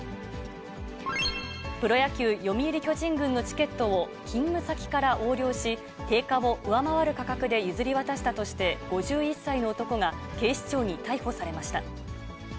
プロ野球・読売巨人軍のチケットを勤務先から横領し、定価を上回る価格で譲り渡したとして、５１歳の男が警視庁に逮捕されました。